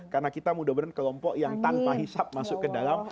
karena kita mudah mudahan kelompok yang tanpa hisap masuk ke dalam